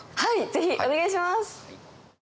ぜひお願いします！